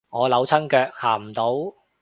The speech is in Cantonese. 我扭親腳行唔到